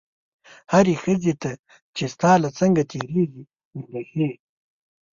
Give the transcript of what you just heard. هرې ښځې ته چې ستا له څنګه تېرېږي وربښې.